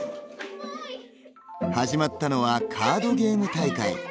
始まったのは、カードゲーム大会。